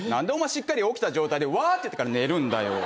しっかり起きた状態でうわ！ってやってから寝るんだよ。